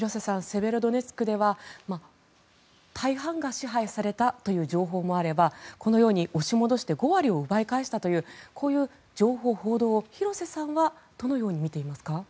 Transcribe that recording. セベロドネツクでは大半が支配されたという情報もあればこのように押し戻して５割を奪い返したというこういう情報、報道を廣瀬さんはどのように見ていますか。